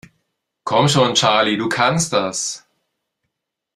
Komm schon, Charlie, du kannst das!